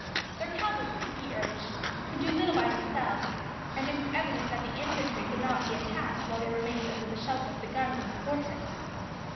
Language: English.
Their cavalry, he urged, could do little by themselves, and it was evident that the infantry could not be attacked while they remained under the shelter of the guns of the fortress.